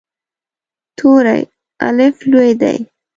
توری “الف” لوی دی.